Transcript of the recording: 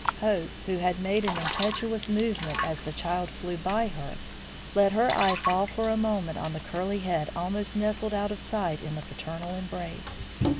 Hope, who had made an impetuous movement as the child flew by her, let her eye fall for a moment on the curly head almost nestled out of sight in the paternal embrace.